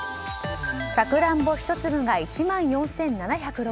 サクランボ１粒が１万４７０６円。